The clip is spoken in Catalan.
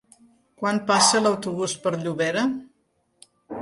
Quan passa l'autobús per Llobera?